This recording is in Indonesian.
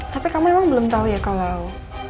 tapi kamu emang belum tau ya kalau